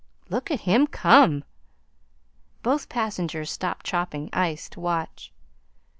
"Look at him come!" Both passengers stopped chopping ice to watch.